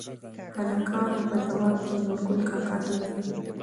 هلکانو په ځواب کې نورګل کاکا ته ووېل: